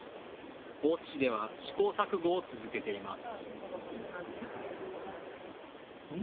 大津市では試行錯誤を続けています。